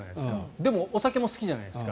でもお酒も好きじゃないですか。